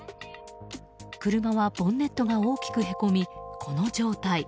車はボンネットが大きくへこみこの状態。